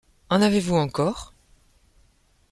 En avez-vous encore ?